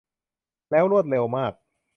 แล้วรวดเร็วมาก